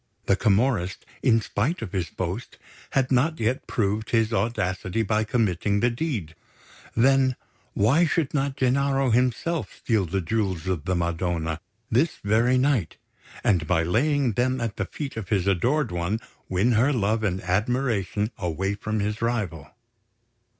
The Camorrist, in spite of his boast, had not yet proved his audacity by committing the deed; then, why should not Gennaro himself steal the Jewels of the Madonna this very night, and by laying them at the feet of his adored one, win her love and admiration away from his rival?